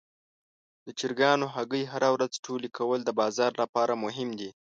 د چرګانو هګۍ هره ورځ ټولې کول د بازار لپاره مهم دي.